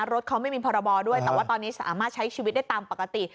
รถเขาไม่มีพรบด้วยแต่ว่าตอนนี้สามารถใช้ชีวิตได้ตามปกติ